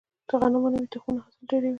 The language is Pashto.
د غنمو نوي تخمونه حاصل ډیروي.